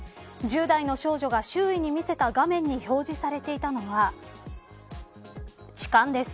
１０代の少女が周囲に見せた画面に表示されていたのは痴漢です。